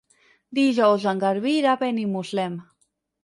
Dijous en Garbí irà a Benimuslem.